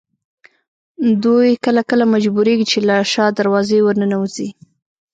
دوی کله کله مجبورېږي چې له شا دروازې ورننوځي.